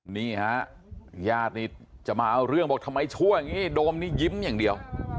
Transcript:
นี่ฮะญาตินี่จะมาเอาเรื่องบอกทำไมชั่วอย่างนี้โดมนี่ยิ้มอย่างเดียว